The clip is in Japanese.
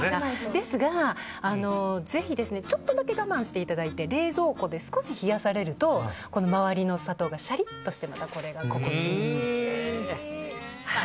ですが、ぜひちょっとだけ我慢していただいて冷蔵庫で少し冷やされると周りの砂糖がシャリッとしてまた心地いいんです。